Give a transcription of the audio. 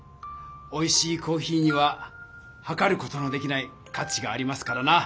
おいしいコーヒーには量る事のできない価値がありますからな。